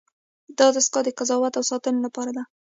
دا دستگاه د قضاوت او ساتنې لپاره ده.